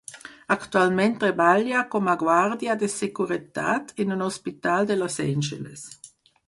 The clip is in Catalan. Actualment treballa com a guàrdia de seguretat en un hospital de Los Angeles.